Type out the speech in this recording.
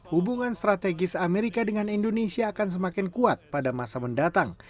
hubungan strategis amerika dengan indonesia akan semakin kuat pada masa mendatang